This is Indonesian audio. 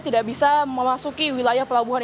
tidak bisa memasuki wilayah pelabuhan